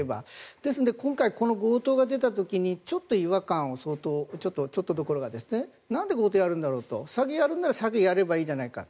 ですので今回この強盗が出た時にちょっと違和感をちょっとどころかなんで強盗をやるんだろうと詐欺やるなら詐欺やればいいじゃないか。